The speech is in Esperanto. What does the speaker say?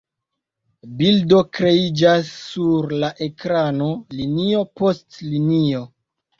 Bildo kreiĝas sur la ekrano linio post linio.